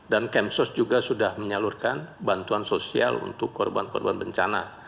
dan kemsos juga sudah menyalurkan bantuan sosial untuk korban korban bencana